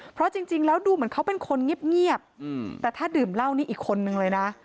เพราะจริงแล้วดูเหมือนเขาเป็นคนเงียบแต่ถ้าดื่มเหล้านี่อีกคนนึงเลยนะ